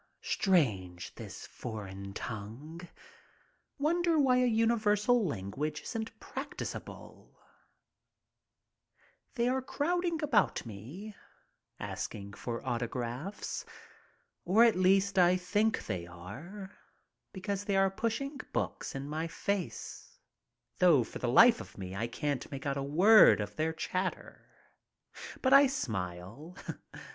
Strange, this foreign tongue. Wonder why a universal language isn't practicable ? They are crowding about me, asking for autographs. Or at least I think they are, because they are pushing books in my face, though for the life of me I can't make out a word of their chatter. But I smile.